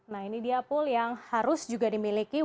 nah ini dia pool yang harus juga dimiliki